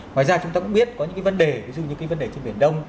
ngoài ra chúng ta cũng biết có những cái vấn đề ví dụ như cái vấn đề trên biển đông